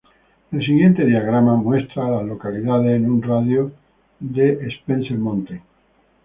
El siguiente diagrama muestra a las localidades en un radio de de Spencer Mountain.